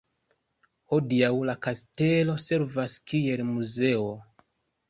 Hodiaŭ la Kastelo servas kiel muzeo.